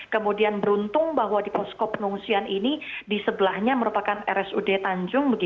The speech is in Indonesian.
kemudian beruntung bahwa di posko pengungsian ini di sebelahnya merupakan rsud tanjung